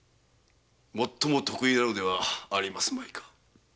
最も得意なのではありますまいか。